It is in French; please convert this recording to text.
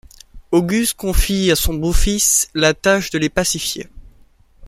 Auguste confie à son beau-fils la tâche de les pacifier.